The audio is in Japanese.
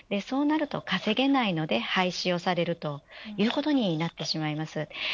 そうなると稼げないので廃止をされるということになってしまいます。